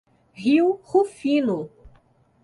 Rio Rufino